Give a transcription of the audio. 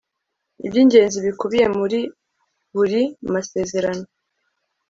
iby'ingenzi bikubiye muri buri masezerano